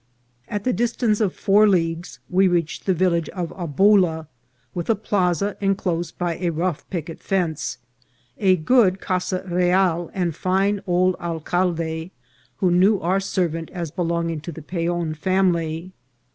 At the distance of four leagues we reached the village of Aboula, with a plaza enclosed by a rough picket fence, a good casa real and fine old alcalde, who knew our servant as belonging to the Peon family.